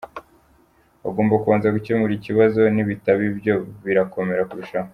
Bagomba kubanza gukemura ikibazo, nibitaba ibyo birakomera kurushaho.